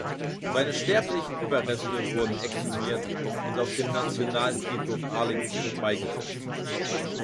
Seine sterblichen Überreste wurden exhumiert und auf dem Nationalfriedhof Arlington beigesetzt.